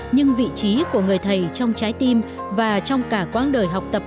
nhưng vị trí của người thầy trong trái tim và trong cả quãng đời học tập